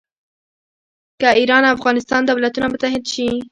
که ایران او افغانستان دولتونه متحد شي.